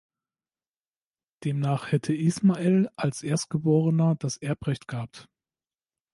Demnach hätte Ismael als Erstgeborener das Erbrecht gehabt.